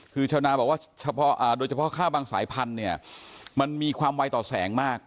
คือชาวนาบอกว่าโดยเฉพาะข้าวบางสายพันธุ์เนี่ยมันมีความไวต่อแสงมาก